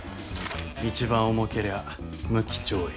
一番重けりゃ無期懲役。